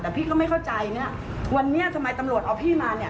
แต่พี่ก็ไม่เข้าใจวันนี้ทำไมตำรวจเอาพี่มา